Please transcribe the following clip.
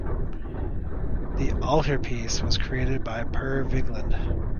The altarpiece was created by Per Vigeland.